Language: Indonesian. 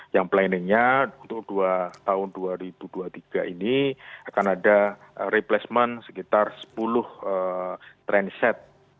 yang planningnya untuk tahun dua ribu dua puluh tiga ini akan ada replacement sekitar sepuluh trendset